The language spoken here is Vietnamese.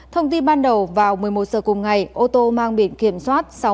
thông tin ban đầu vào một mươi một h cùng ngày ô tô mang biển kiểm soát